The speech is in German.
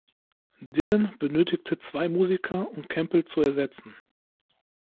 Dylan benötigte zwei Musiker, um Campbell zu ersetzen.